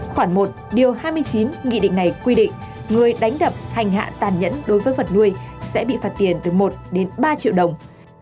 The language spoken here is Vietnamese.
khoảng một điều hai mươi chín nghị định này quy định người đánh đập hành hạ tàn nhẫn đối với vật nuôi sẽ bị phạt tiền từ một đến ba triệu đồng